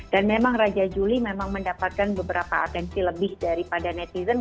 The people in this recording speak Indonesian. dan memang raja juli memang mendapatkan beberapa atensi lebih daripada netizen